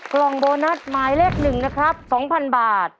กล่องโบนัสหมายเลข๑นะครับ๒๐๐๐บาท